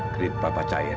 kerit papa cair